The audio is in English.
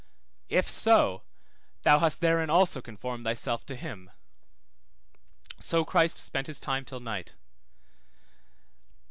If so, thou hast therein also conformed thyself to him; so Christ spent his time till night.